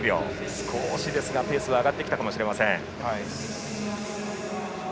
少しですがペースが上がってきたかもしれません。